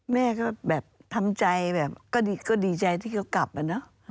แม่ก็แบบทำใจแบบก็ดีใจที่เขากลับอะเนอะ